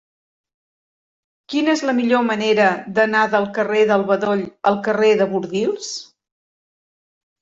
Quina és la millor manera d'anar del carrer del Bedoll al carrer de Bordils?